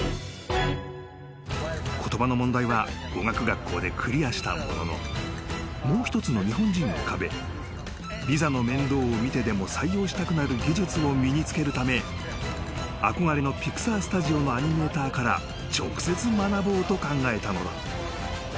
［言葉の問題は語学学校でクリアしたもののもう一つの日本人の壁ビザの面倒を見てでも採用したくなる技術を身に付けるため憧れのピクサー・スタジオのアニメーターから直接学ぼうと考えたのだ］